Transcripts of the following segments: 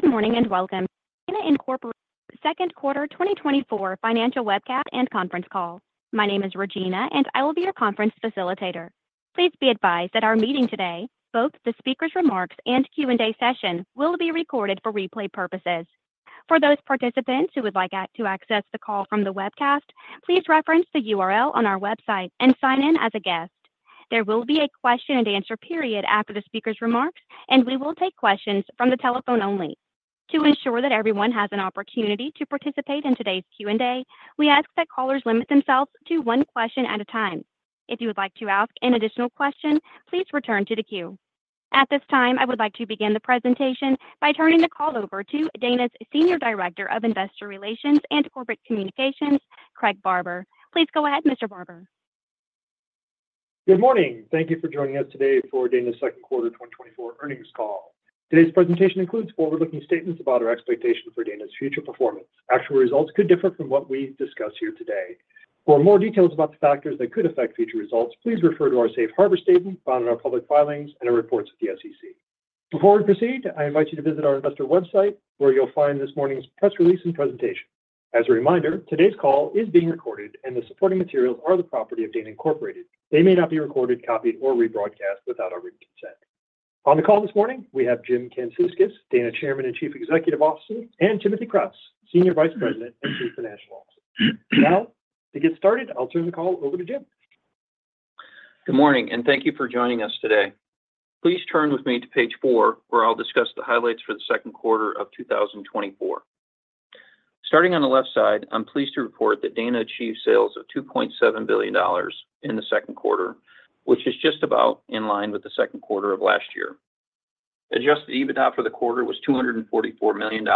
Good morning, and welcome to Dana Incorporated Second Quarter 2024 Financial Webcast and Conference Call. My name is Regina, and I will be your conference facilitator. Please be advised that our meeting today, both the speaker's remarks and Q&A session, will be recorded for replay purposes. For those participants who would like to access the call from the webcast, please reference the URL on our website and sign in as a guest. There will be a question-and-answer period after the speaker's remarks, and we will take questions from the telephone only. To ensure that everyone has an opportunity to participate in today's Q&A, we ask that callers limit themselves to one question at a time. If you would like to ask an additional question, please return to the queue. At this time, I would like to begin the presentation by turning the call over to Dana's Senior Director of Investor Relations and Corporate Communications, Craig Barber. Please go ahead, Mr. Barber. Good morning. Thank you for joining us today for Dana's second quarter 2024 earnings call. Today's presentation includes forward-looking statements about our expectations for Dana's future performance. Actual results could differ from what we discuss here today. For more details about the factors that could affect future results, please refer to our safe harbor statement found in our public filings and our reports at the SEC. Before we proceed, I invite you to visit our investor website, where you'll find this morning's press release and presentation. As a reminder, today's call is being recorded, and the supporting materials are the property of Dana Incorporated. They may not be recorded, copied, or rebroadcast without our written consent. On the call this morning, we have Jim Kamsickas, Dana Chairman and Chief Executive Officer, and Timothy Kraus, Senior Vice President and Chief Financial Officer. Now, to get started, I'll turn the call over to Jim. Good morning, and thank you for joining us today. Please turn with me to page 4, where I'll discuss the highlights for the second quarter of 2024. Starting on the left side, I'm pleased to report that Dana achieved sales of $2.7 billion in the second quarter, which is just about in line with the second quarter of last year. Adjusted EBITDA for the quarter was $244 million,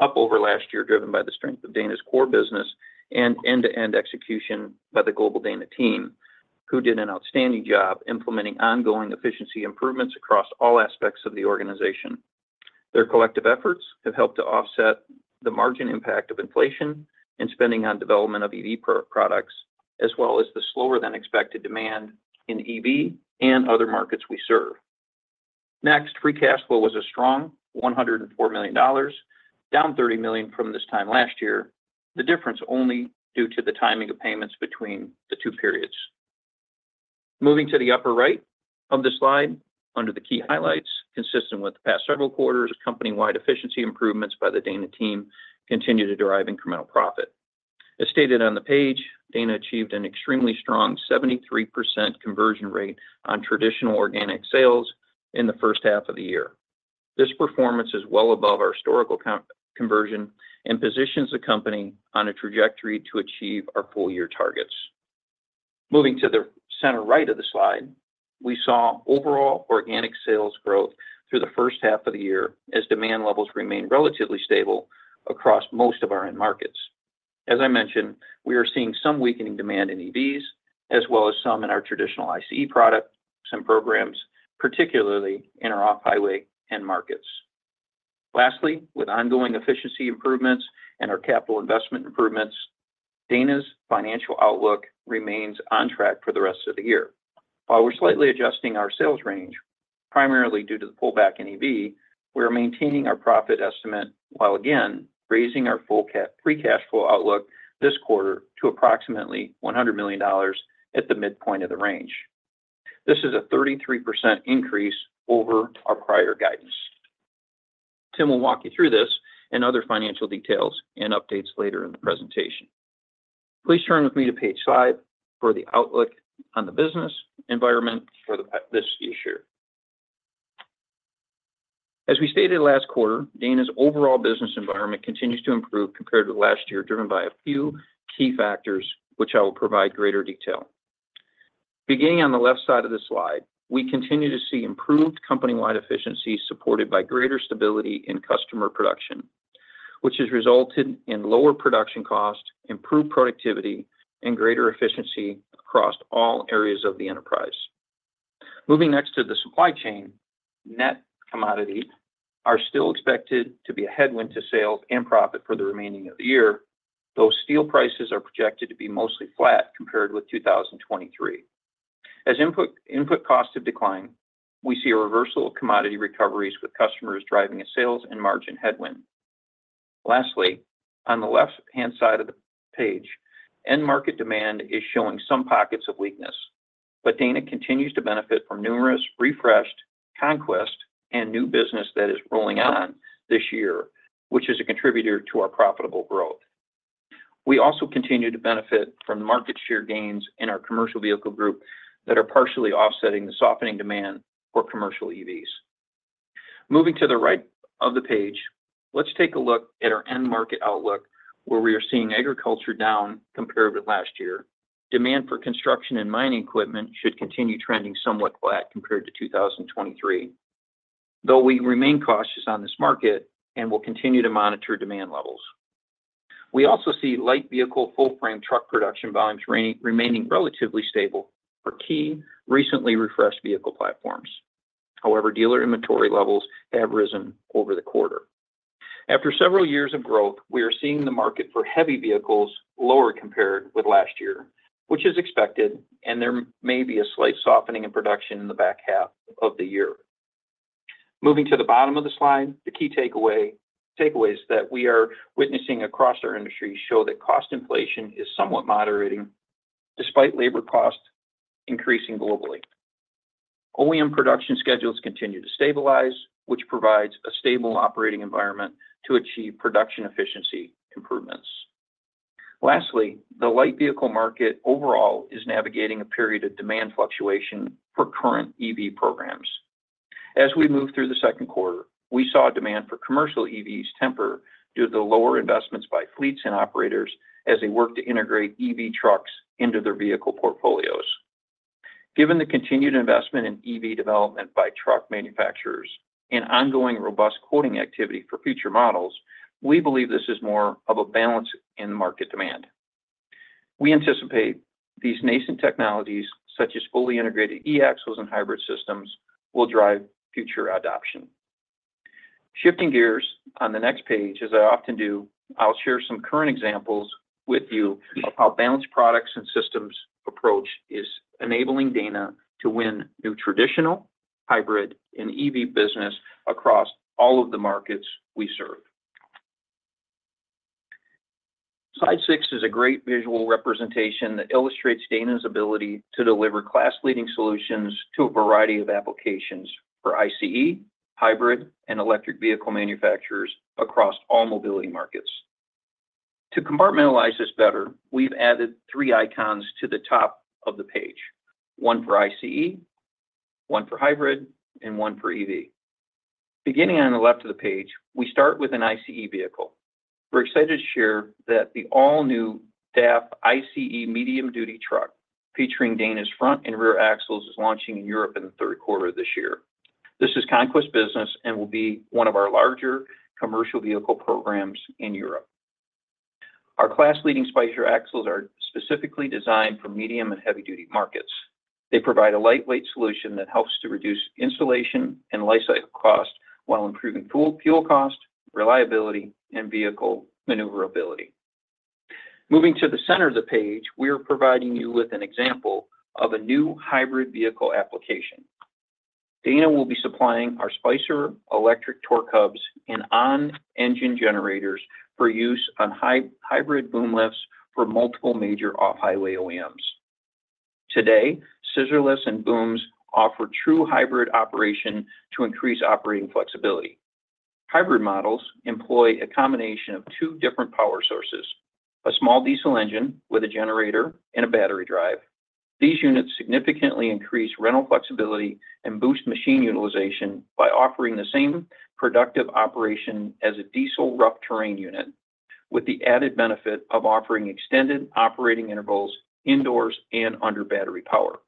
up over last year, driven by the strength of Dana's core business and end-to-end execution by the Global Dana team, who did an outstanding job implementing ongoing efficiency improvements across all aspects of the organization. Their collective efforts have helped to offset the margin impact of inflation and spending on development of EV products, as well as the slower than expected demand in EV and other markets we serve. Next, free cash flow was a strong $104 million, down $30 million from this time last year. The difference only due to the timing of payments between the two periods. Moving to the upper right of the slide, under the key highlights, consistent with the past several quarters, company-wide efficiency improvements by the Dana team continue to drive incremental profit. As stated on the page, Dana achieved an extremely strong 73% conversion rate on traditional organic sales in the first half of the year. This performance is well above our historical conversion and positions the company on a trajectory to achieve our full year targets. Moving to the center right of the slide, we saw overall organic sales growth through the first half of the year as demand levels remained relatively stable across most of our end markets. As I mentioned, we are seeing some weakening demand in EVs, as well as some in our traditional ICE products and programs, particularly in our off-highway end markets. Lastly, with ongoing efficiency improvements and our capital investment improvements, Dana's financial outlook remains on track for the rest of the year. While we're slightly adjusting our sales range, primarily due to the pullback in EV, we are maintaining our profit estimate, while again, raising our free cash flow outlook this quarter to approximately $100 million at the midpoint of the range. This is a 33% increase over our prior guidance. Tim will walk you through this and other financial details and updates later in the presentation. Please turn with me to page 5 for the outlook on the business environment for this fiscal year. As we stated last quarter, Dana's overall business environment continues to improve compared with last year, driven by a few key factors, which I will provide greater detail. Beginning on the left side of the slide, we continue to see improved company-wide efficiency, supported by greater stability in customer production, which has resulted in lower production cost, improved productivity, and greater efficiency across all areas of the enterprise. Moving next to the supply chain, net commodities are still expected to be a headwind to sales and profit for the remaining of the year, though steel prices are projected to be mostly flat compared with 2023. As input, input costs have declined, we see a reversal of commodity recoveries with customers driving a sales and margin headwind. Lastly, on the left-hand side of the page, end market demand is showing some pockets of weakness, but Dana continues to benefit from numerous refreshed conquest and new business that is rolling on this year, which is a contributor to our profitable growth. We also continue to benefit from market share gains in our Commercial Vehicle group that are partially offsetting the softening demand for commercial EVs. Moving to the right of the page, let's take a look at our end market outlook, where we are seeing agriculture down compared with last year. Demand for construction and mining equipment should continue trending somewhat flat compared to 2023, though we remain cautious on this market and will continue to monitor demand levels. We also see light vehicle, full frame truck production volumes remaining relatively stable for key recently refreshed vehicle platforms. However, dealer inventory levels have risen over the quarter. After several years of growth, we are seeing the market for heavy vehicles lower compared with last year, which is expected, and there may be a slight softening in production in the back half of the year. Moving to the bottom of the slide, the key takeaway, takeaways that we are witnessing across our industry show that cost inflation is somewhat moderating, despite labor costs increasing globally. OEM production schedules continue to stabilize, which provides a stable operating environment to achieve production efficiency improvements. Lastly, the light vehicle market overall is navigating a period of demand fluctuation for current EV programs. As we move through the second quarter, we saw demand for commercial EVs temper due to the lower investments by fleets and operators as they work to integrate EV trucks into their vehicle portfolios. Given the continued investment in EV development by truck manufacturers and ongoing robust quoting activity for future models, we believe this is more of a balance in market demand. We anticipate these nascent technologies, such as fully integrated e-axles and hybrid systems, will drive future adoption. Shifting gears on the next page, as I often do, I'll share some current examples with you of how balanced products and systems approach is enabling Dana to win new traditional, hybrid, and EV business across all of the markets we serve. Slide 6 is a great visual representation that illustrates Dana's ability to deliver class-leading solutions to a variety of applications for ICE, hybrid, and electric vehicle manufacturers across all mobility markets. To compartmentalize this better, we've added three icons to the top of the page, one for ICE, one for hybrid, and one for EV. Beginning on the left of the page, we start with an ICE vehicle. We're excited to share that the all-new DAF ICE medium-duty truck, featuring Dana's front and rear axles, is launching in Europe in the third quarter of this year. This is conquest business and will be one of our larger commercial vehicle programs in Europe. Our class-leading Spicer axles are specifically designed for medium and heavy-duty markets. They provide a lightweight solution that helps to reduce installation and life cycle cost while improving fuel, fuel cost, reliability, and vehicle maneuverability. Moving to the center of the page, we are providing you with an example of a new hybrid vehicle application. Dana will be supplying our Spicer Electric Torque-Hubs and on-engine generators for use on hybrid boom lifts for multiple major off-highway OEMs. Today, scissor lifts and booms offer true hybrid operation to increase operating flexibility. Hybrid models employ a combination of two different power sources, a small diesel engine with a generator and a battery drive. These units significantly increase rental flexibility and boost machine utilization by offering the same productive operation as a diesel rough terrain unit, with the added benefit of offering extended operating intervals indoors and under battery power.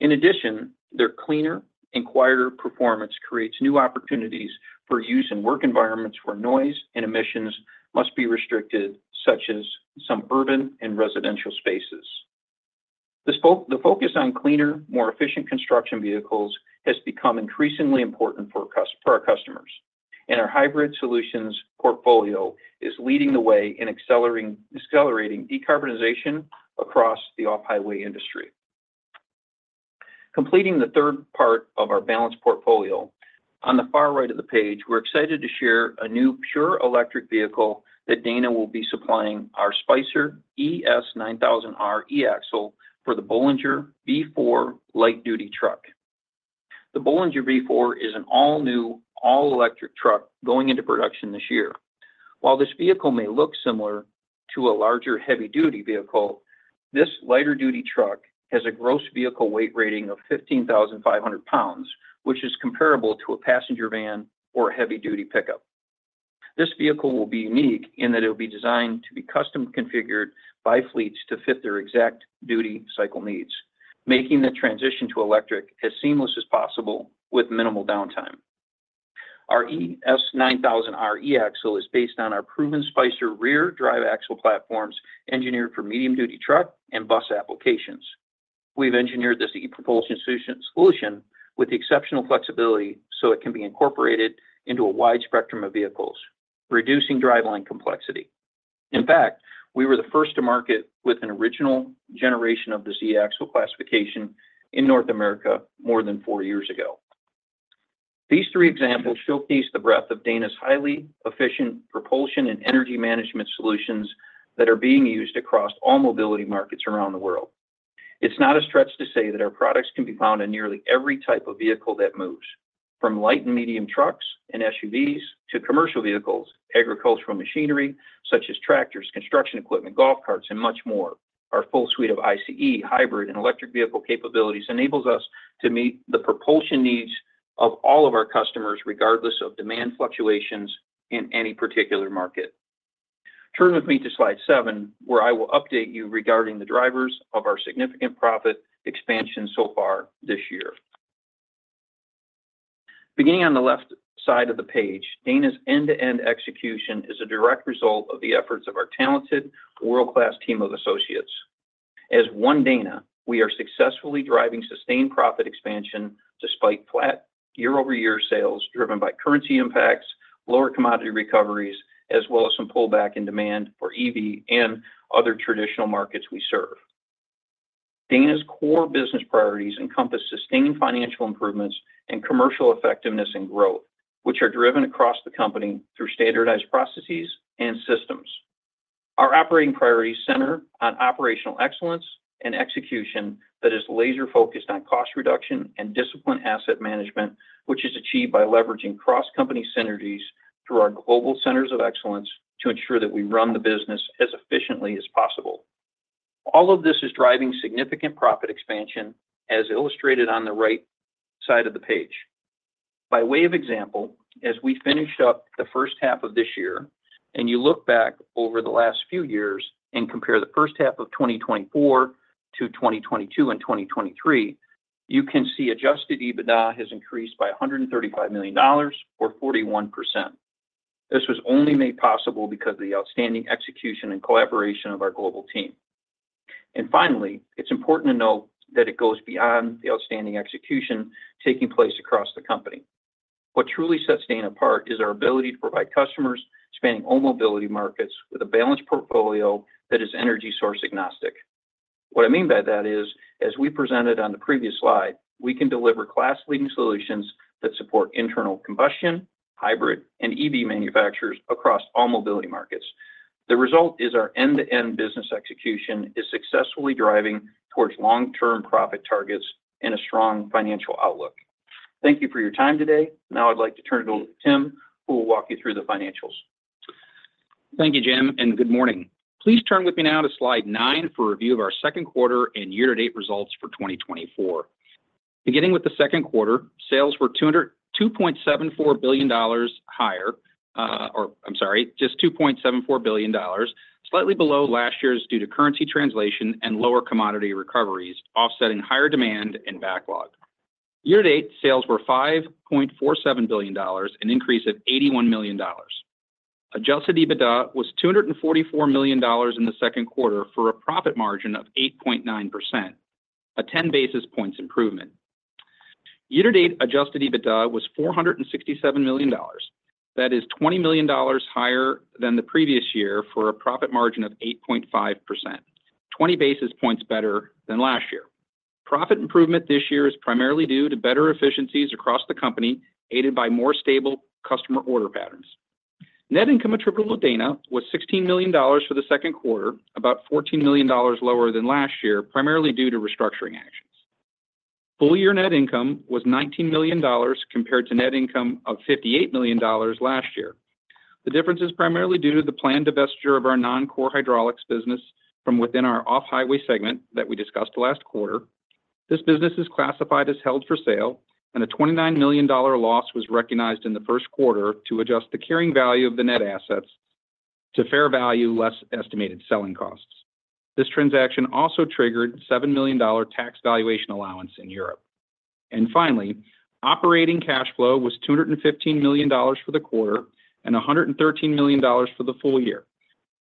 In addition, their cleaner and quieter performance creates new opportunities for use in work environments where noise and emissions must be restricted, such as some urban and residential spaces. The focus on cleaner, more efficient construction vehicles has become increasingly important for our customers, and our hybrid solutions portfolio is leading the way in accelerating decarbonization across the off-highway industry. Completing the third part of our balanced portfolio, on the far right of the page, we're excited to share a new pure electric vehicle that Dana will be supplying our Spicer eS9000r e-Axle for the Bollinger B4 light-duty truck. The Bollinger B4 is an all-new, all-electric truck going into production this year. While this vehicle may look similar to a larger heavy-duty vehicle, this lighter-duty truck has a gross vehicle weight rating of 15,000 pounds, which is comparable to a passenger van or a heavy-duty pickup. This vehicle will be unique in that it will be designed to be custom configured by fleets to fit their exact duty cycle needs, making the transition to electric as seamless as possible with minimal downtime. Our eS9000r e-Axle is based on our proven Spicer rear-drive axle platforms, engineered for medium-duty truck and bus applications. We've engineered this e-propulsion solution with exceptional flexibility so it can be incorporated into a wide spectrum of vehicles, reducing driveline complexity. In fact, we were the first to market with an original generation of this e-axle classification in North America more than four years ago. These three examples showcase the breadth of Dana's highly efficient propulsion and energy management solutions that are being used across all mobility markets around the world. It's not a stretch to say that our products can be found in nearly every type of vehicle that moves, from light and medium trucks and SUVs to commercial vehicles, agricultural machinery, such as tractors, construction equipment, golf carts, and much more. Our full suite of ICE, hybrid, and electric vehicle capabilities enables us to meet the propulsion needs of all of our customers, regardless of demand fluctuations in any particular market. Turn with me to slide 7, where I will update you regarding the drivers of our significant profit expansion so far this year. Beginning on the left side of the page, Dana's end-to-end execution is a direct result of the efforts of our talented, world-class team of associates. As one Dana, we are successfully driving sustained profit expansion despite flat year-over-year sales, driven by currency impacts, lower commodity recoveries, as well as some pullback in demand for EV and other traditional markets we serve. Dana's core business priorities encompass sustained financial improvements and commercial effectiveness and growth, which are driven across the company through standardized processes and systems. Our operating priorities center on operational excellence and execution that is laser-focused on cost reduction and disciplined asset management, which is achieved by leveraging cross-company synergies through our global centers of excellence to ensure that we run the business as efficiently as possible. All of this is driving significant profit expansion, as illustrated on the right side of the page. By way of example, as we finished up the first half of this year, and you look back over the last few years and compare the first half of 2024 to 2022 and 2023, you can see Adjusted EBITDA has increased by $135 million or 41%. This was only made possible because of the outstanding execution and collaboration of our global team. And finally, it's important to note that it goes beyond the outstanding execution taking place across the company. What truly sets Dana apart is our ability to provide customers spanning all mobility markets with a balanced portfolio that is energy source agnostic. What I mean by that is, as we presented on the previous slide, we can deliver class-leading solutions that support internal combustion, hybrid, and EV manufacturers across all mobility markets. The result is our end-to-end business execution is successfully driving towards long-term profit targets and a strong financial outlook. Thank you for your time today. Now I'd like to turn it over to Tim, who will walk you through the financials. Thank you, Jim, and good morning. Please turn with me now to slide nine for a review of our second quarter and year-to-date results for 2024. Beginning with the second quarter, sales were $2.74 billion, slightly below last year's due to currency translation and lower commodity recoveries, offsetting higher demand and backlog. Year-to-date, sales were $5.47 billion, an increase of $81 million. Adjusted EBITDA was $244 million in the second quarter, for a profit margin of 8.9%, a ten basis points improvement. Year-to-date adjusted EBITDA was $467 million. That is $20 million higher than the previous year for a profit margin of 8.5%, twenty basis points better than last year. Profit improvement this year is primarily due to better efficiencies across the company, aided by more stable customer order patterns. Net income attributable to Dana was $16 million for the second quarter, about $14 million lower than last year, primarily due to restructuring actions. Full-year net income was $19 million, compared to net income of $58 million last year. The difference is primarily due to the planned divestiture of our non-core hydraulics business from within our Off-Highway segment that we discussed last quarter. This business is classified as held for sale, and a $29 million loss was recognized in the first quarter to adjust the carrying value of the net assets to fair value, less estimated selling costs. This transaction also triggered a $7 million tax valuation allowance in Europe. Finally, operating cash flow was $215 million for the quarter and $113 million for the full year.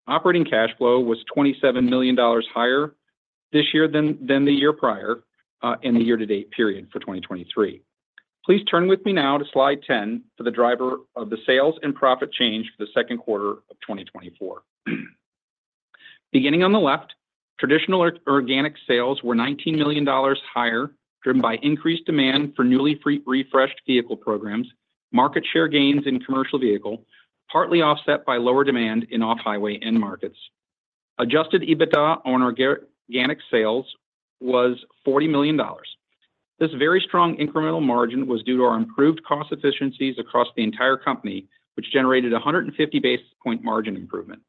Operating cash flow was $27 million higher this year than the year prior in the year-to-date period for 2023. Please turn with me now to slide 10 for the driver of the sales and profit change for the second quarter of 2024. Beginning on the left, traditional organic sales were $19 million higher, driven by increased demand for newly refreshed vehicle programs, market share gains in commercial vehicle, partly offset by lower demand in off-highway end markets. Adjusted EBITDA on our organic sales was $40 million. This very strong incremental margin was due to our improved cost efficiencies across the entire company, which generated a 150 basis point margin improvement.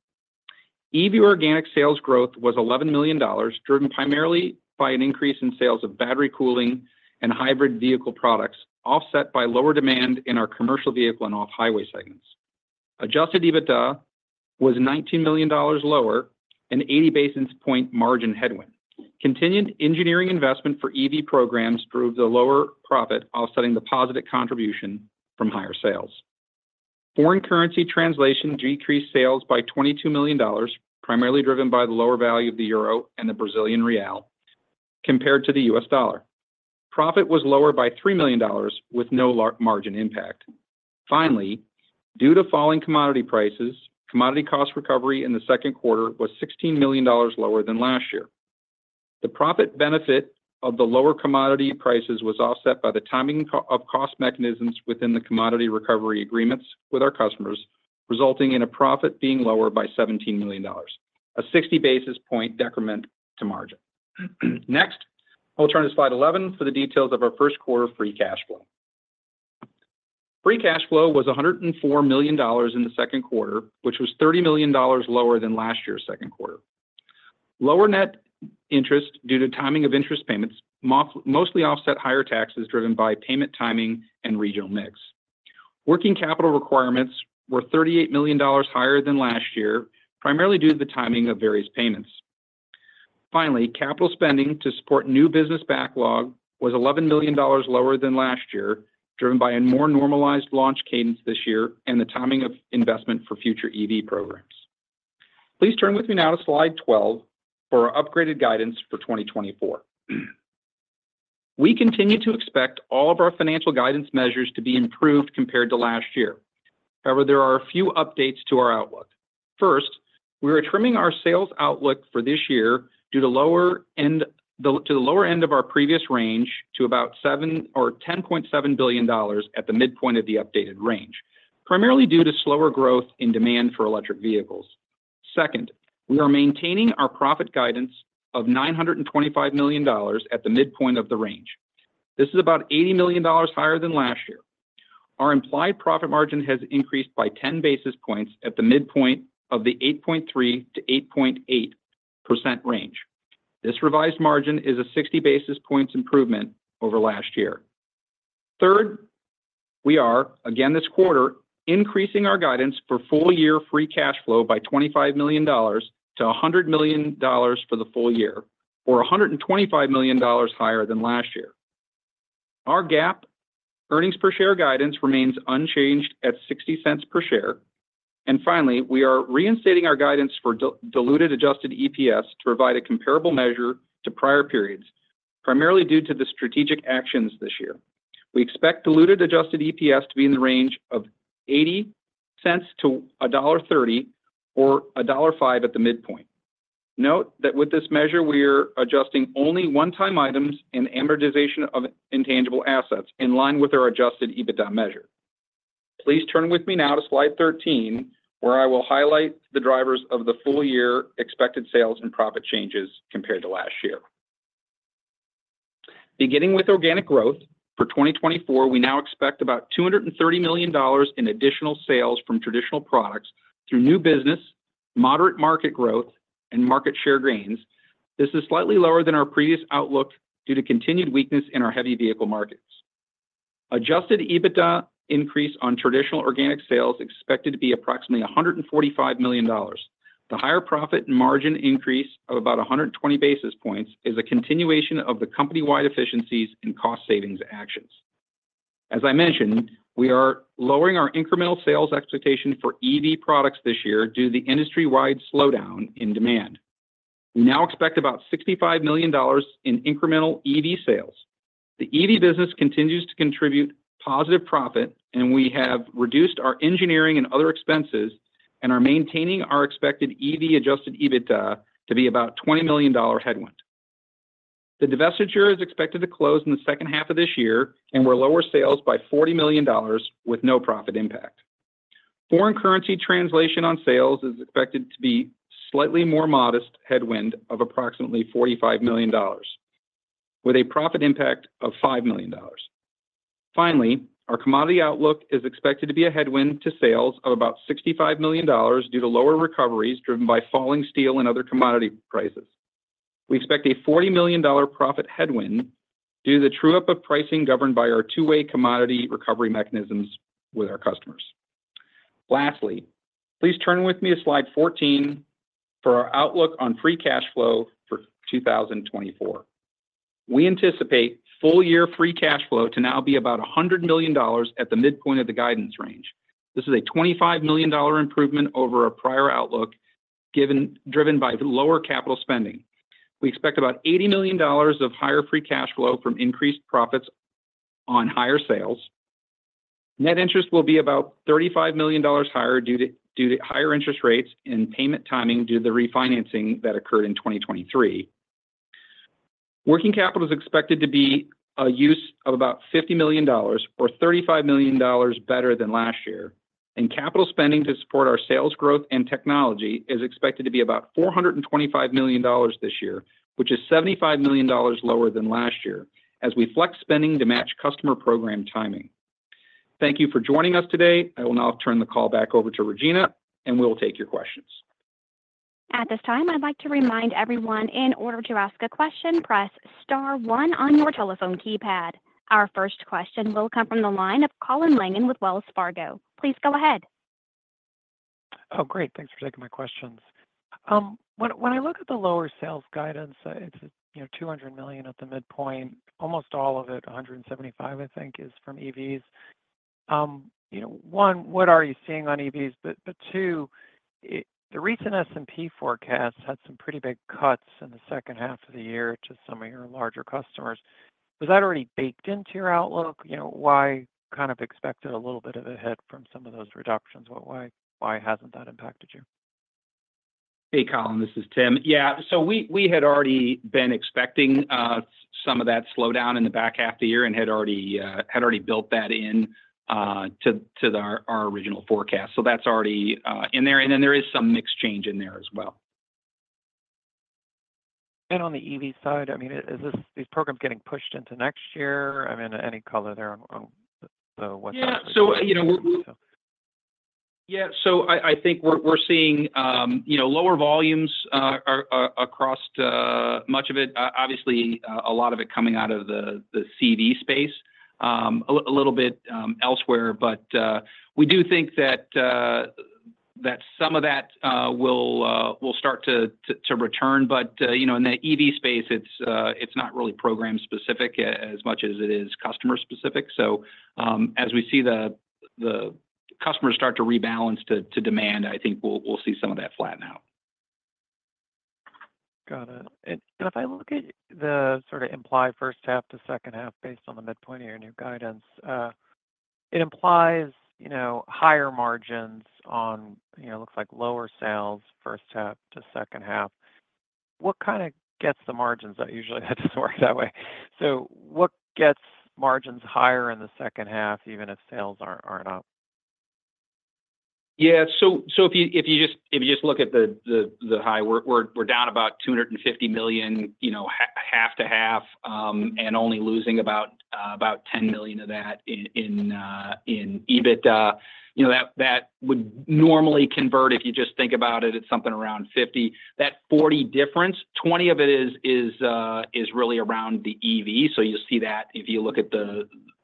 EV organic sales growth was $11 million, driven primarily by an increase in sales of battery cooling and hybrid vehicle products, offset by lower demand in Commercial Vehicle and Off-Highway segments. adjusted EBITDA was $19 million lower and 80 basis point margin headwind. Continued engineering investment for EV programs drove the lower profit, offsetting the positive contribution from higher sales. Foreign currency translation decreased sales by $22 million, primarily driven by the lower value of the euro and the Brazilian real compared to the US dollar. Profit was lower by $3 million, with no large margin impact. Finally, due to falling commodity prices, commodity cost recovery in the second quarter was $16 million lower than last year. The profit benefit of the lower commodity prices was offset by the timing of cost mechanisms within the commodity recovery agreements with our customers, resulting in a profit being lower by $17 million, a 60 basis point decrement to margin. Next, we'll turn to slide 11 for the details of our first quarter free cash flow. Free cash flow was $104 million in the second quarter, which was $30 million lower than last year's second quarter. Lower net interest due to timing of interest payments, mostly offset higher taxes driven by payment timing and regional mix. Working capital requirements were $38 million higher than last year, primarily due to the timing of various payments. Finally, capital spending to support new business backlog was $11 million lower than last year, driven by a more normalized launch cadence this year and the timing of investment for future EV programs. Please turn with me now to slide 12 for our upgraded guidance for 2024. We continue to expect all of our financial guidance measures to be improved compared to last year. However, there are a few updates to our outlook. First, we are trimming our sales outlook for this year to the lower end of our previous range, to about $10.7 billion at the midpoint of the updated range, primarily due to slower growth in demand for electric vehicles. Second, we are maintaining our profit guidance of $925 million at the midpoint of the range. This is about $80 million higher than last year. Our implied profit margin has increased by 10 basis points at the midpoint of the 8.3%-8.8% range. This revised margin is a 60 basis points improvement over last year. Third, we are, again this quarter, increasing our guidance for full year free cash flow by $25 million to $100 million for the full year, or $125 million higher than last year. Our GAAP earnings per share guidance remains unchanged at $0.60 per share. And finally, we are reinstating our guidance for diluted adjusted EPS to provide a comparable measure to prior periods, primarily due to the strategic actions this year. We expect diluted adjusted EPS to be in the range of $0.80-$1.30, or $1.05 at the midpoint. Note that with this measure, we're adjusting only one-time items and amortization of intangible assets, in line with our Adjusted EBITDA measure. Please turn with me now to slide 13, where I will highlight the drivers of the full-year expected sales and profit changes compared to last year. Beginning with organic growth, for 2024, we now expect about $230 million in additional sales from traditional products through new business, moderate market growth, and market share gains. This is slightly lower than our previous outlook, due to continued weakness in our heavy vehicle markets. Adjusted EBITDA increase on traditional organic sales expected to be approximately $145 million. The higher profit margin increase of about 120 basis points is a continuation of the company-wide efficiencies and cost savings actions. As I mentioned, we are lowering our incremental sales expectation for EV products this year due to the industry-wide slowdown in demand. We now expect about $65 million in incremental EV sales. The EV business continues to contribute positive profit, and we have reduced our engineering and other expenses, and are maintaining our expected EV adjusted EBITDA to be about $20 million headwind. The divestiture is expected to close in the second half of this year, and we're lowering sales by $40 million with no profit impact. Foreign currency translation on sales is expected to be slightly more modest headwind of approximately $45 million, with a profit impact of $5 million. Finally, our commodity outlook is expected to be a headwind to sales of about $65 million due to lower recoveries driven by falling steel and other commodity prices. We expect a $40 million profit headwind due to the true up of pricing, governed by our two-way commodity recovery mechanisms with our customers. Lastly, please turn with me to slide 14 for our outlook on free cash flow for 2024. We anticipate full year free cash flow to now be about $100 million at the midpoint of the guidance range. This is a $25 million improvement over our prior outlook, given, driven by lower capital spending. We expect about $80 million of higher free cash flow from increased profits on higher sales. Net interest will be about $35 million higher due to, due to higher interest rates and payment timing due to the refinancing that occurred in 2023. Working capital is expected to be a use of about $50 million, or $35 million better than last year, and capital spending to support our sales growth and technology is expected to be about $425 million this year, which is $75 million lower than last year as we flex spending to match customer program timing. Thank you for joining us today. I will now turn the call back over to Regina, and we'll take your questions. At this time, I'd like to remind everyone, in order to ask a question, press star one on your telephone keypad. Our first question will come from the line of Colin Langan with Wells Fargo. Please go ahead. Oh, great. Thanks for taking my questions. When, when I look at the lower sales guidance, it's, you know, $200 million at the midpoint, almost all of it, $175 million, I think, is from EVs. You know, one, what are you seeing on EVs? But, but two, it- the recent S&P forecast had some pretty big cuts in the second half of the year to some of your larger customers. Was that already baked into your outlook? You know, why kind of expect it a little bit of a hit from some of those reductions? Why, why, why hasn't that impacted you? Hey, Colin, this is Tim. Yeah, so we had already been expecting some of that slowdown in the back half of the year and had already built that in to our original forecast. So that's already in there, and then there is some mix change in there as well. On the EV side, I mean, is this, these programs getting pushed into next year? I mean, any color there on, on the what's- Yeah, so, you know, we- Yeah, so I think we're seeing, you know, lower volumes across much of it. Obviously, a lot of it coming out of the CV space, a little bit elsewhere. But we do think that some of that will start to return. But you know, in the EV space, it's not really program-specific as much as it is customer-specific. So, as we see the customers start to rebalance to demand, I think we'll see some of that flatten out. Got it. And if I look at the sort of implied first half to second half based on the midpoint of your new guidance, it implies, you know, higher margins on, you know, looks like lower sales first half to second half. What kind of gets the margins out? Usually, it doesn't work that way. So what gets margins higher in the second half, even if sales aren't, aren't up? Yeah. So if you just look at the high, we're down about $250 million, you know, half to half, and only losing about $10 million of that in EBITDA. You know, that would normally convert, if you just think about it, at something around 50. That 40 difference, 20 of it is really around the EV. So you'll see that if you look at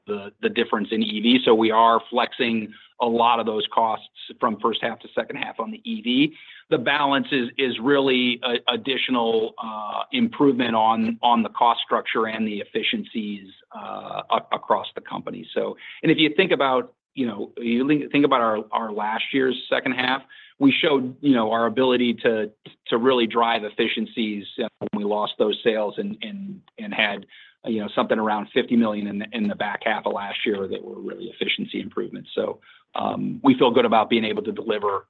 the difference in EV. So we are flexing a lot of those costs from first half to second half on the EV. The balance is really additional improvement on the cost structure and the efficiencies across the company. So... And if you think about, you know, think about our, our last year's second half, we showed, you know, our ability to, to really drive efficiencies, when we lost those sales and had, you know, something around $50 million in the, in the back half of last year that were really efficiency improvements. So, we feel good about being able to deliver,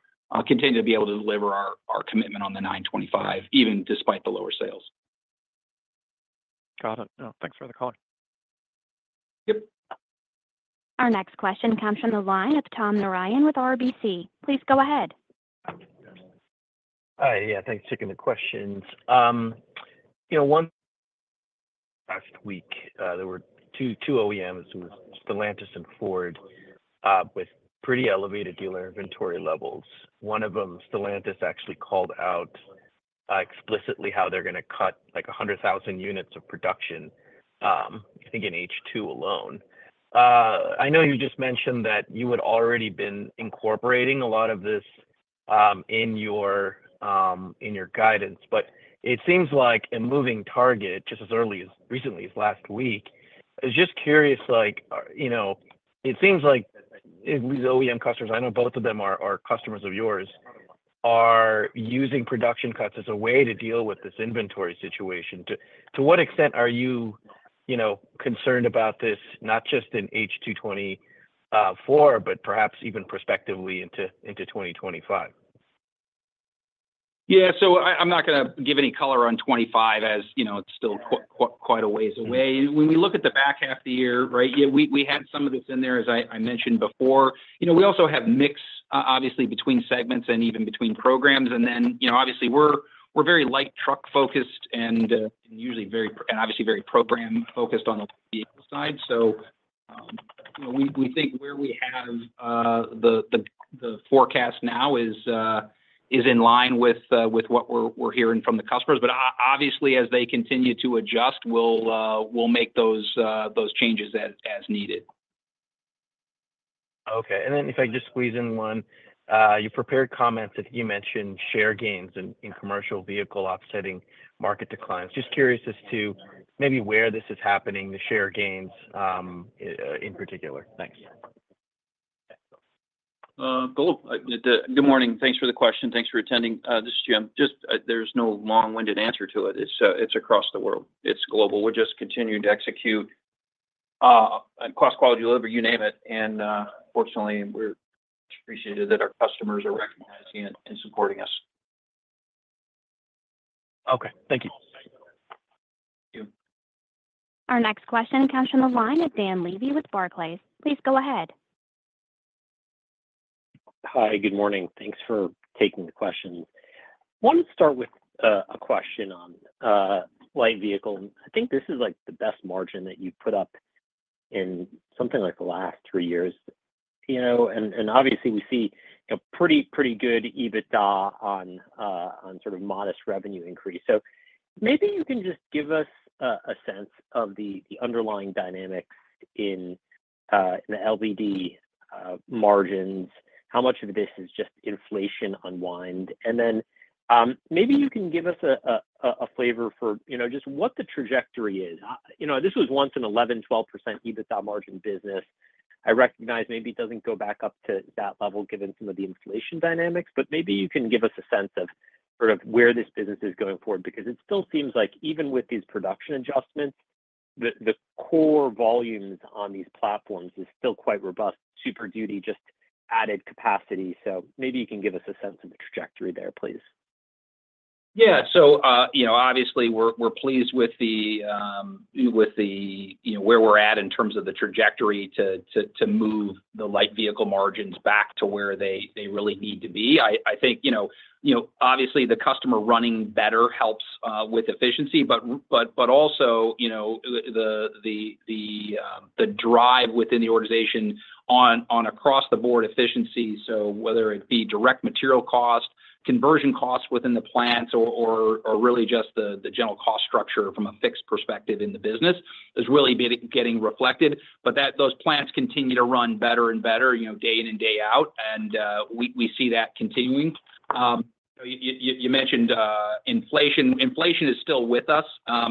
continue to be able to deliver our, our commitment on the $925, even despite the lower sales. Got it. Thanks for the color. Yep. Our next question comes from the line of Tom Narayan with RBC. Please go ahead. Hi. Yeah, thanks for taking the questions. You know, one last week, there were two, two OEMs, who were Stellantis and Ford, with pretty elevated dealer inventory levels. One of them, Stellantis, actually called out, explicitly how they're gonna cut, like, 100,000 units of production, I think in H2 alone. I know you just mentioned that you had already been incorporating a lot of this, in your, in your guidance, but it seems like a moving target, just as early as-- recently as last week. I was just curious, like, you know, it seems like these OEM customers, I know both of them are, are customers of yours, are using production cuts as a way to deal with this inventory situation. To what extent are you, you know, concerned about this, not just in H2'24, but perhaps even prospectively into 2025? Yeah. So I'm not gonna give any color on 2025, as you know, it's still quite a ways away. When we look at the back half of the year, right, yeah, we had some of this in there, as I mentioned before. You know, we also have mix, obviously, between segments and even between programs. And then, you know, obviously, we're very light truck-focused and usually very and obviously very program-focused on the vehicle side. So you know, we think where we have the forecast now is in line with what we're hearing from the customers. But obviously, as they continue to adjust, we'll make those changes as needed. Okay. And then if I could just squeeze in one. You prepared comments that you mentioned share gains in, in commercial vehicle offsetting market declines. Just curious as to maybe where this is happening, the share gains, in particular? Thanks. Good morning. Thanks for the question. Thanks for attending. This is Jim. Just, there's no long-winded answer to it. It's, it's across the world. It's global. We're just continuing to execute, and cross-quality delivery, you name it, and, fortunately, we're appreciated that our customers are recognizing it and supporting us. Okay, thank you. Thank you. Our next question comes from the line of Dan Levy with Barclays. Please go ahead. Hi, good morning. Thanks for taking the question. Wanted to start with, a question on, light vehicle. I think this is, like, the best margin that you've put up in something like the last three years. You know, and, and obviously, we see a pretty, pretty good EBITDA on, on sort of modest revenue increase. So maybe you can just give us, a sense of the, the underlying dynamics in, in the LVD, margins, how much of this is just inflation unwind? And then, maybe you can give us a, a, a flavor for, you know, just what the trajectory is. You know, this was once an 11, 12% EBITDA margin business. I recognize maybe it doesn't go back up to that level, given some of the inflation dynamics, but maybe you can give us a sense of sort of where this business is going forward, because it still seems like even with these production adjustments, the core volumes on these platforms is still quite robust. Super Duty just added capacity, so maybe you can give us a sense of the trajectory there, please. Yeah. So, you know, obviously, we're pleased with the, you know, where we're at in terms of the trajectory to move the light vehicle margins back to where they really need to be. I think, you know, obviously, the customer running better helps with efficiency, but also, you know, the drive within the organization on across-the-board efficiency, so whether it be direct material cost, conversion costs within the plants or really just the general cost structure from a fixed perspective in the business, is really getting reflected. But that—those plants continue to run better and better, you know, day in and day out, and we see that continuing. You mentioned inflation. Inflation is still with us,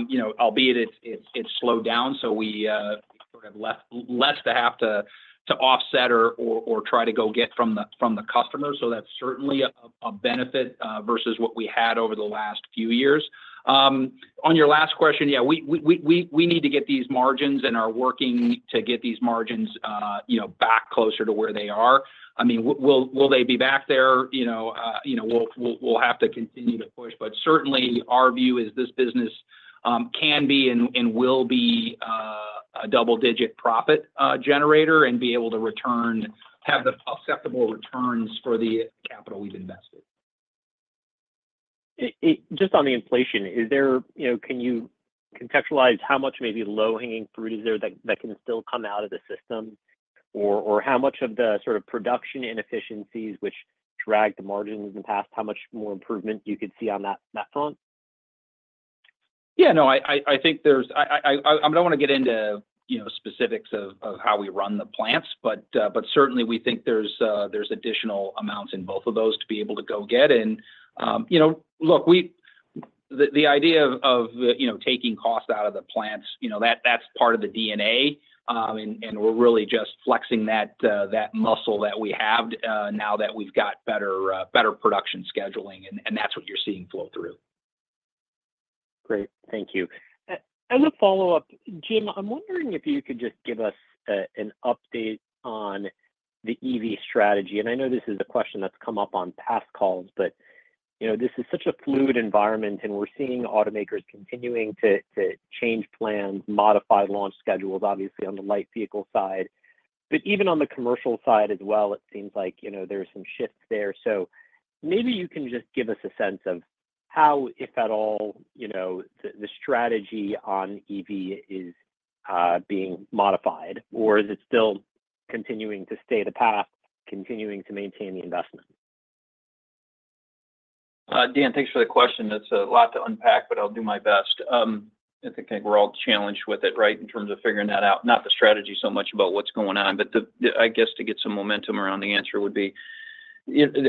you know, albeit it's slowed down, so we have less to have to offset or try to go get from the customer. So that's certainly a benefit versus what we had over the last few years. On your last question, yeah, we need to get these margins and are working to get these margins, you know, back closer to where they are. I mean, will they be back there? You know, we'll have to continue to push. But certainly, our view is this business can be and will be a double-digit profit generator and be able to have the acceptable returns for the capital we've invested. Just on the inflation, is there... You know, can you contextualize how much maybe low-hanging fruit is there that, that can still come out of the system? Or, or how much of the sort of production inefficiencies which dragged the margins in the past, how much more improvement you could see on that, that front? Yeah, no, I think there's—I don't wanna get into, you know, specifics of how we run the plants, but certainly we think there's additional amounts in both of those to be able to go get. And, you know, look, the idea of, you know, taking costs out of the plants, you know, that's part of the DNA. And we're really just flexing that muscle that we have now that we've got better production scheduling, and that's what you're seeing flow through. Great. Thank you. As a follow-up, Jim, I'm wondering if you could just give us an update on the EV strategy. And I know this is a question that's come up on past calls, but, you know, this is such a fluid environment, and we're seeing automakers continuing to change plans, modify launch schedules, obviously, on the light vehicle side. But even on the commercial side as well, it seems like, you know, there are some shifts there. So maybe you can just give us a sense of how, if at all, you know, the strategy on EV is being modified, or is it still continuing to stay the path, continuing to maintain the investment? Dan, thanks for the question. That's a lot to unpack, but I'll do my best. I think we're all challenged with it, right? In terms of figuring that out, not the strategy so much about what's going on, but I guess to get some momentum around the answer would be,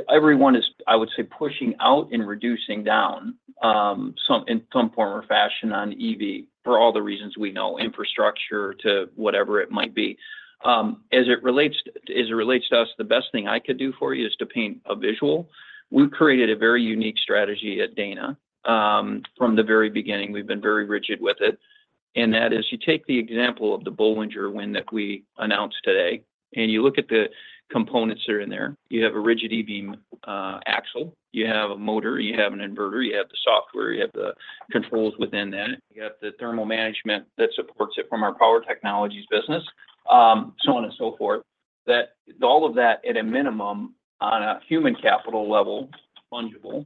everyone is, I would say, pushing out and reducing down, in some form or fashion on EV, for all the reasons we know, infrastructure to whatever it might be. As it relates to us, the best thing I could do for you is to paint a visual. We've created a very unique strategy at Dana. From the very beginning, we've been very rigid with it, and that is, you take the example of the Bollinger win that we announced today, and you look at the components that are in there. You have a rigid e-Beam axle, you have a motor, you have an inverter, you have the software, you have the controls within that, you have the thermal management that supports it from our Power Technologies business, so on and so forth. That all of that, at a minimum, on a human capital level, fungible.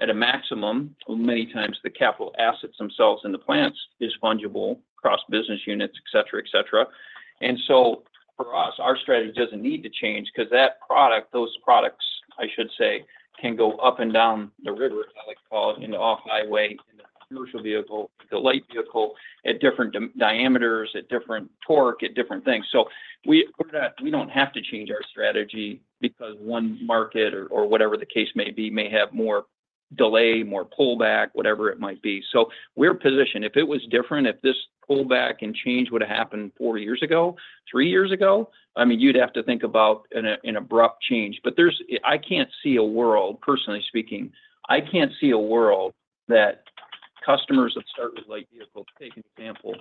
At a maximum, many times the capital assets themselves in the plants is fungible across business units, et cetera, et cetera. And so for us, our strategy doesn't need to change because that product, those products, I should say, can go up and down the river, as I like to call it, in the off-highway, in the commercial vehicle, the light vehicle, at different diameters, at different torque, at different things. So we, we're not we don't have to change our strategy because one market or, or whatever the case may be, may have more delay, more pullback, whatever it might be. So we're positioned. If it was different, if this pullback and change would've happened four years ago, three years ago, I mean, you'd have to think about an abrupt change. But there's... I can't see a world, personally speaking, I can't see a world that customers that start with light vehicles, take an example,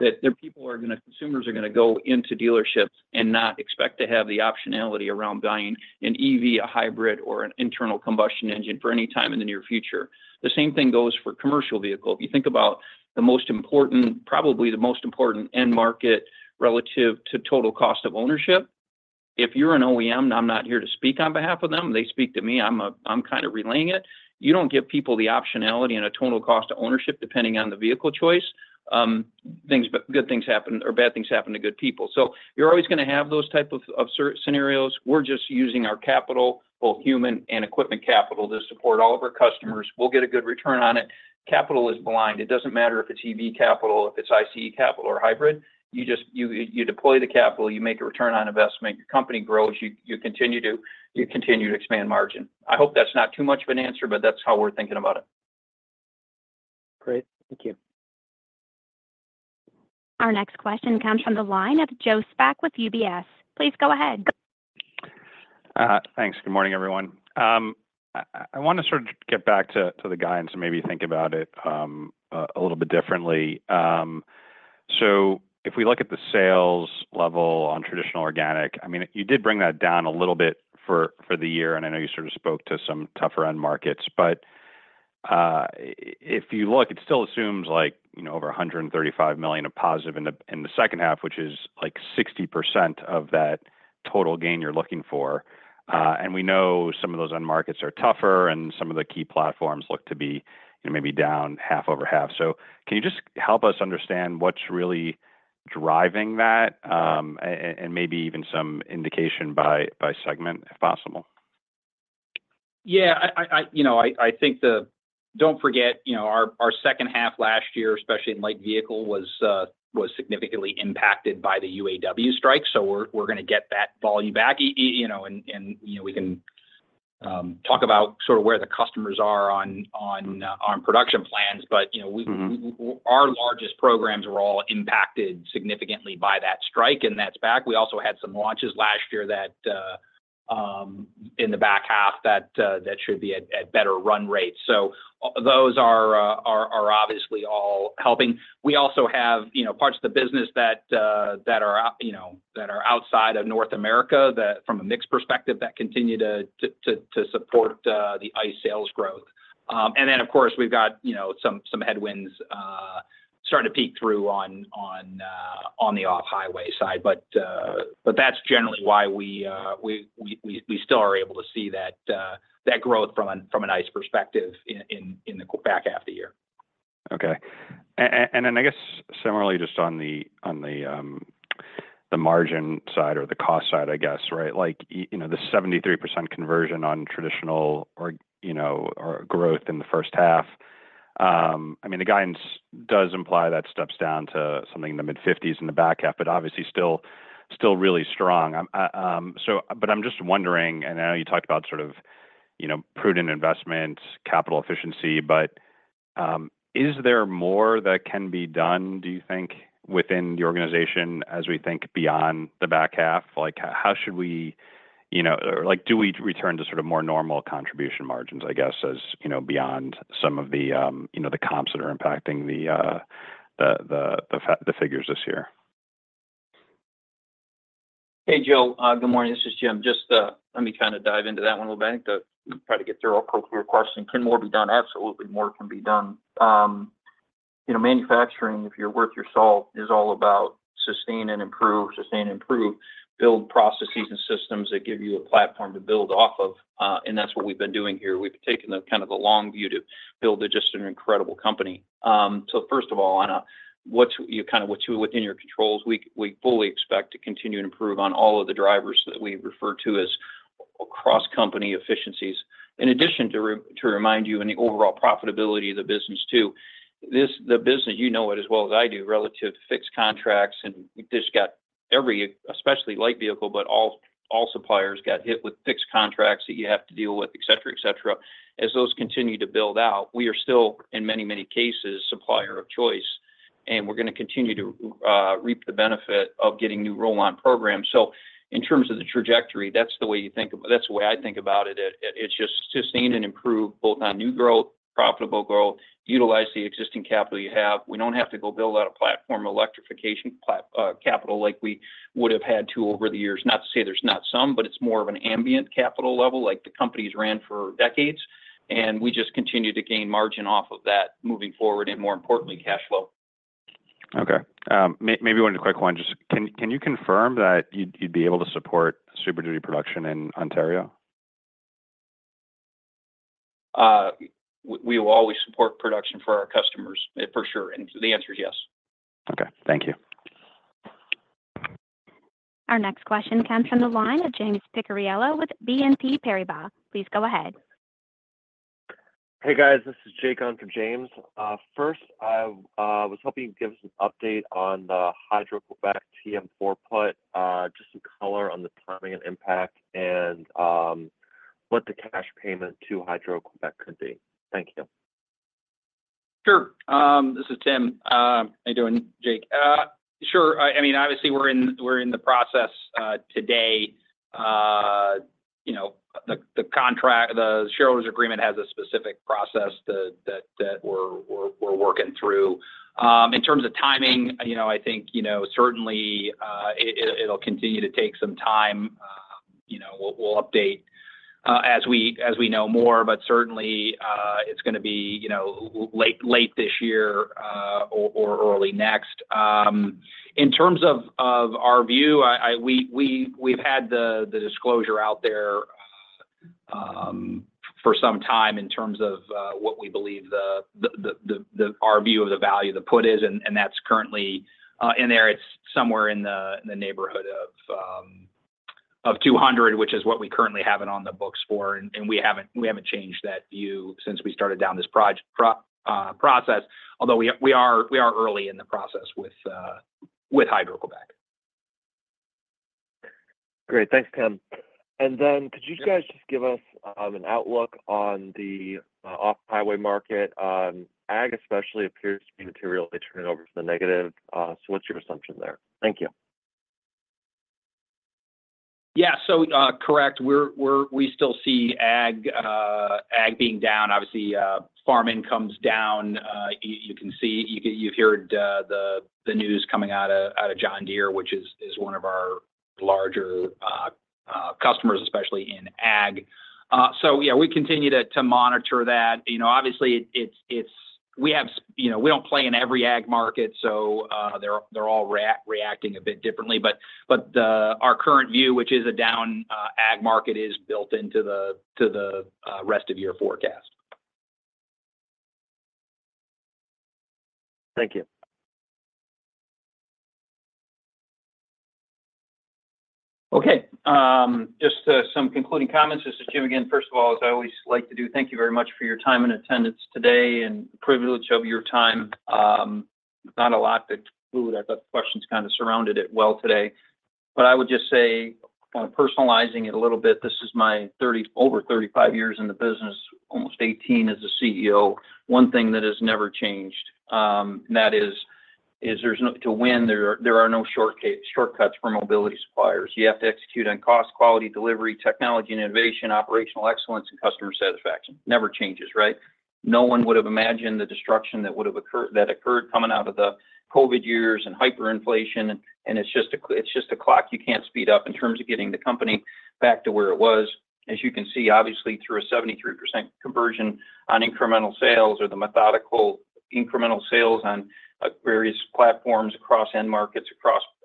that consumers are gonna go into dealerships and not expect to have the optionality around buying an EV, a hybrid, or an internal combustion engine for any time in the near future. The same thing goes for commercial vehicle. If you think about the most important, probably the most important end market relative to total cost of ownership, if you're an OEM, I'm not here to speak on behalf of them, they speak to me. I'm kind of relaying it. You don't give people the optionality and a total cost of ownership depending on the vehicle choice, things, but good things happen or bad things happen to good people. So you're always gonna have those type of certain scenarios. We're just using our capital, both human and equipment capital, to support all of our customers. We'll get a good return on it. Capital is blind. It doesn't matter if it's EV capital, if it's ICE capital, or hybrid. You just deploy the capital, you make a return on investment, your company grows, you continue to expand margin. I hope that's not too much of an answer, but that's how we're thinking about it. Great, thank you. Our next question comes from the line of Joe Spak with UBS. Please go ahead. Thanks. Good morning, everyone. I wanna sort of get back to the guide and to maybe think about it a little bit differently. So if we look at the sales level on traditional organic, I mean, you did bring that down a little bit for the year, and I know you sort of spoke to some tougher end markets. But if you look, it still assumes, like, you know, over $135 million of positive in the second half, which is like 60% of that total gain you're looking for. And we know some of those end markets are tougher, and some of the key platforms look to be, you know, maybe down 50% over 50%. So can you just help us understand what's really driving that, and maybe even some indication by segment, if possible? Yeah, you know, I think the— Don't forget, you know, our second half last year, especially in light vehicle, was significantly impacted by the UAW strike, so we're gonna get that volume back. You know, and you know, we can- talk about sort of where the customers are on production plans, but, you know- Mm-hmm our largest programs were all impacted significantly by that strike, and that's back. We also had some launches last year that, in the back half, that should be at better run rates. So those are obviously all helping. We also have, you know, parts of the business that are out, you know, that are outside of North America, that from a mix perspective, that continue to support the ICE sales growth. And then, of course, we've got, you know, some headwinds starting to peek through on the off-highway side. But that's generally why we still are able to see that growth from an ICE perspective in the back half of the year. Okay. And then, I guess similarly, just on the, on the, the margin side or the cost side, I guess, right? Like, you know, the 73% conversion on traditional or, you know, or growth in the first half, I mean, the guidance does imply that steps down to something in the mid-50s in the back half, but obviously still, still really strong. I'm so but I'm just wondering, and I know you talked about sort of, you know, prudent investment, capital efficiency, but, is there more that can be done, do you think, within the organization as we think beyond the back half? Like, how should we, you know, or, like, do we return to sort of more normal contribution margins, I guess, as you know, beyond some of the, you know, the comps that are impacting the figures this year? Hey, Joe. Good morning, this is Jim. Just, let me kind of dive into that one a little bit, to try to get through all corporate requests. And can more be done? Absolutely, more can be done. You know, manufacturing, if you're worth your salt, is all about sustain and improve, sustain and improve, build processes and systems that give you a platform to build off of. And that's what we've been doing here. We've taken the kind of the long view to build just an incredible company. So first of all, on a what's you kind of, what's within your controls, we, we fully expect to continue to improve on all of the drivers that we refer to as across company efficiencies. In addition to, to remind you, in the overall profitability of the business, too, this, the business, you know it as well as I do, relative to fixed contracts, and we've just got every, especially light vehicle, but all, all suppliers got hit with fixed contracts that you have to deal with, et cetera, et cetera. As those continue to build out, we are still, in many, many cases, supplier of choice, and we're gonna continue to reap the benefit of getting new roll-on programs. So in terms of the trajectory, that's the way you think about, that's the way I think about it. It, it's just sustain and improve, both on new growth, profitable growth, utilize the existing capital you have. We don't have to go build out a platform of electrification capital, like we would've had to over the years. Not to say there's not some, but it's more of an ambient capital level, like the company's ran for decades, and we just continue to gain margin off of that moving forward, and more importantly, cash flow. Okay. Maybe one quick one. Just can you confirm that you'd be able to support Super Duty production in Ontario? We will always support production for our customers, for sure. The answer is yes. Okay, thank you. Our next question comes from the line of James Picariello with BNP Paribas. Please go ahead. Hey, guys, this is Jake on for James. First, I was hoping you'd give us an update on the Hydro-Québec TM4 put, just some color on the timing and impact and, what the cash payment to Hydro-Québec could be. Thank you. Sure. This is Tim. How you doing, Jake? Sure. I mean, obviously, we're in the process today. You know, the contract, the shareholders agreement has a specific process that we're working through. In terms of timing, you know, I think, you know, certainly, it'll continue to take some time. You know, we'll update as we know more, but certainly, it's gonna be, you know, late this year or early next. In terms of our view, we've had the disclosure out there for some time in terms of what we believe our view of the value of the put is. That's currently in there. It's somewhere in the neighborhood of $200, which is what we currently have it on the books for, and we haven't changed that view since we started down this process. Although we are early in the process with Hydro-Québec. Great. Thanks, Tim. And then could you guys just give us an outlook on the off-highway market? Ag especially appears to be materially turning over to the negative. So what's your assumption there? Thank you. Yeah. So, correct, we're—we still see ag being down. Obviously, farming comes down. You can see, you've heard the news coming out of John Deere, which is one of our larger customers, especially in ag. So yeah, we continue to monitor that. You know, obviously, it's... We have, you know, we don't play in every ag market, so they're all reacting a bit differently. But our current view, which is a down ag market, is built into the rest of year forecast. Thank you. Okay, just some concluding comments. This is Jim again. First of all, as I always like to do, thank you very much for your time and attendance today, and privilege of your time. Not a lot to include. I thought the questions kind of surrounded it well today, but I would just say, kind of personalizing it a little bit, this is my over 35 years in the business, almost 18 as a CEO. One thing that has never changed, and that is, there's no shortcut to win, there are no shortcuts for mobility suppliers. You have to execute on cost, quality, delivery, technology and innovation, operational excellence, and customer satisfaction. Never changes, right? No one would've imagined the disruption that would've occurred - that occurred coming out of the COVID years and hyperinflation, and it's just a clock you can't speed up in terms of getting the company back to where it was. As you can see, obviously, through a 73% conversion on incremental sales or the methodical incremental sales on various platforms across end markets,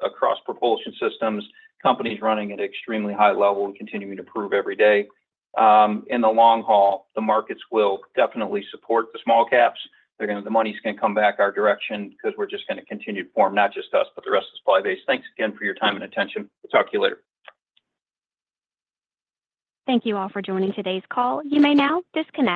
across propulsion systems, companies running at extremely high level and continuing to improve every day. In the long haul, the markets will definitely support the small caps. They're gonna - the money's gonna come back our direction, 'cause we're just gonna continue to form, not just us, but the rest of the supply base. Thanks again for your time and attention. We'll talk to you later. Thank you all for joining today's call. You may now disconnect.